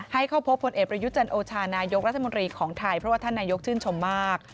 ให้เข้าพบพลเอกประยุจันโอชานายกรัฐมนตรีของไทยเพราะว่าท่านนายกชื่นชมมาก